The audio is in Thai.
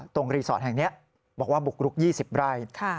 รีสอร์ทแห่งนี้บอกว่าบุกรุก๒๐ไร่